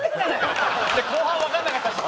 後半わからなかったし。